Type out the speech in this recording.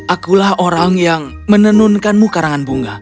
akulah orang yang menenunkanmu karangan bunga